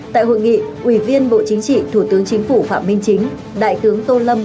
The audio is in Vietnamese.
tại hội nghị ủy viên bộ chính trị thủ tướng chính phủ phạm minh chính đại tướng tô lâm